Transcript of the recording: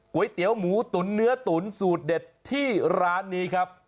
๋เตี๋ยวหมูตุ๋นเนื้อตุ๋นสูตรเด็ดที่ร้านนี้ครับ